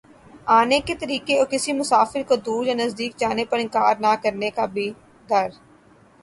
آنے کے طریقے اور کسی مسافر کودور یا نزدیک جانے پر انکار نہ کرنے کا بھی در